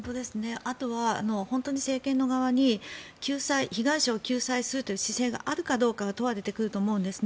あとは政権の側に被害者を救済する姿勢があるかどうかが問われてくると思うんです。